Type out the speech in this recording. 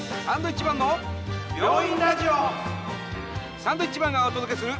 サンドウィッチマンがお届けする。